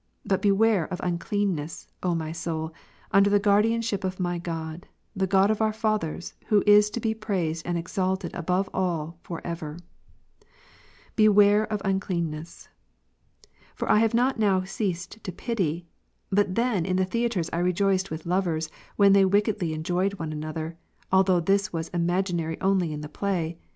Butbewareofuncleanness, Omysoul, under the guardianship of my God, the God of our fathers, tvho is to bejjraised and exalted above all for ever, beware of uncleanness. For I have not now ceased to pity ; but then in the theatres I rejoiced with lovers, when they wickedly enjoyed one another, although this was imaginary only in the play.